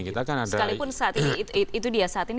sekalipun saat ini